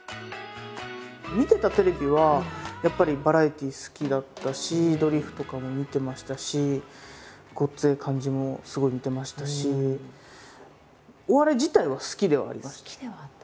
見てたテレビはやっぱりバラエティー好きだったし「ドリフ」とかも見てましたし「ごっつええ感じ」もすごい見てましたしお笑い自体は好きではありました。